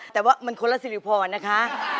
แต่ว่ามันคนละสิริพรนะคะ